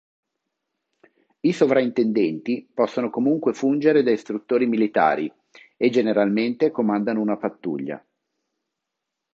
I sovrintendenti possono comunque fungere da istruttori militari, e generalmente comandano una pattuglia.